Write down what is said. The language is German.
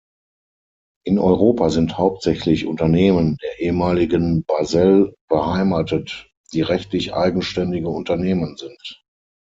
In Europa sind hauptsächlich Unternehmen der ehemaligen Basell beheimatet, die rechtlich eigenständige Unternehmen sind.